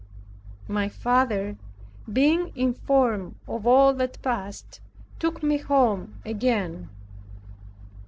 My father being informed of all that passed, took me home again.